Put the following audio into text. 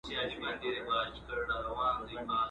څنګه دا کور او دا جومات او دا قلا سمېږي!